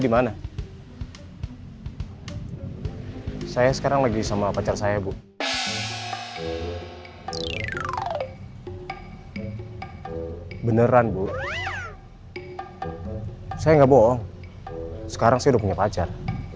ini gak boong sekarang saya udah punya pacar